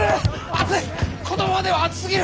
このままでは熱すぎる。